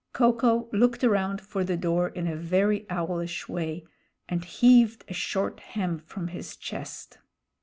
Ko ko looked around for the door in a very owlish way and heaved a short hem from his chest.